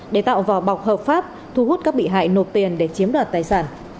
để tạo vỏ bọc hợp pháp thu hút các bị hại nộp tiền để chiếm đoạt tài sản